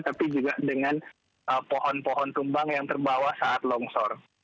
tapi juga dengan pohon pohon tumbang yang terbawa saat longsor